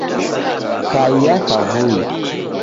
Kaia kavui